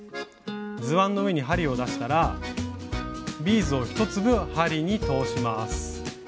図案の上に針を出したらビーズを１粒針に通します。